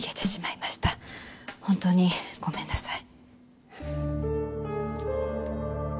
本当にごめんなさい。